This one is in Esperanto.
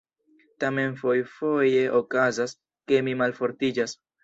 Tamen fojfoje okazas, ke mi malfortiĝas..